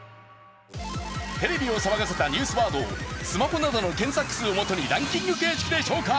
テレビを騒がせたニュースワードをスマホなどの検索数をもとにランキング形式で紹介。